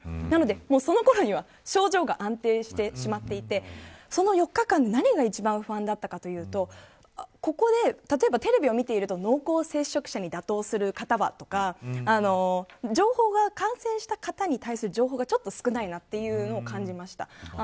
なので、そのころには症状が安定してしまっていてその４日間で何が一番不安だったかというとここで、例えばテレビを見ていると濃厚接触者に該当する方はとか感染した方に関する情報が少ないと感じました。